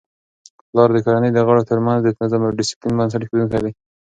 پلار د کورنی د غړو ترمنځ د نظم او ډیسپلین بنسټ ایښودونکی دی.